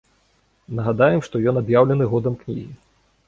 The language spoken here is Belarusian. Нагадаем, што ён аб'яўлены годам кнігі.